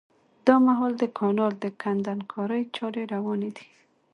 دا مهال د کانال د کندنکارۍ چاري رواني دي